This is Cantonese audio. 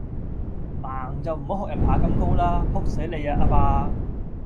盲就唔好學人爬咁高啦，仆死你呀阿伯